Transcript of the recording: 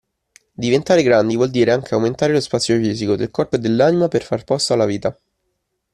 Diventare grandi vuol dire anche aumentare lo spazio fisico, del corpo e dell'anima per fare posto alla vita.